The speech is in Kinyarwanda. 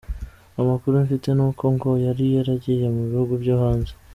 Amakuru mfite ni uko ngo yari yaragiye mu bihugu byo hanze.